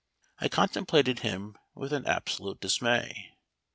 I contem plated him with absolute dismay.